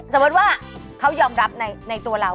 สมมุติว่าเขายอมรับในตัวเรา